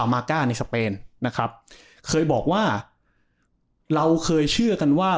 มาก้าในสเปนนะครับเคยบอกว่าเราเคยเชื่อกันว่า